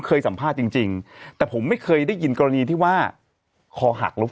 เคยสำฟาตจริงแต่ผมไม่เคยได้ยินกรณีที่ว่าคอหักแล้ว